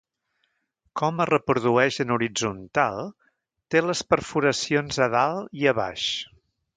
Com es reprodueix en horitzontal té les perforacions a dalt i a baix.